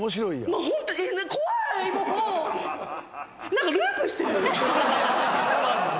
何かループしてる？